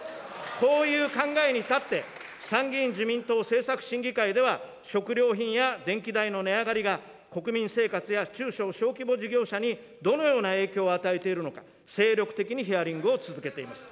こういう考えに立って、参議院自民党政策審議会では、食料品や電気代の値上がりが、国民生活や中小小規模事業者にどのような影響を与えているのか、精力的にヒアリングを続けています。